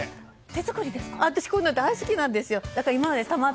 私、こういうの大好きなんです。